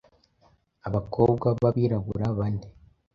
abakobwa b’abirabura bane